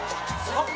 あっ！